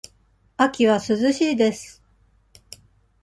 秋は涼しいです。